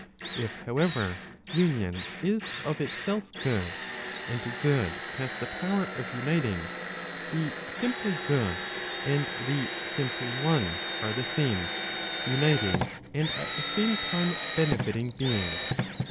If, however, union is of itself good, and good has the power of uniting, the simply good, and the simply one are the same, uniting and at the same time benefiting beings.